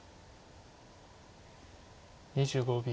２５秒。